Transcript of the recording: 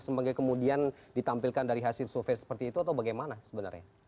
sebagai kemudian ditampilkan dari hasil survei seperti itu atau bagaimana sebenarnya